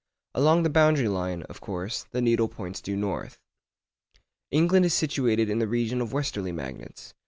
Along the boundary line, of course, the needle points due north. England is situated in the region of westerly magnets.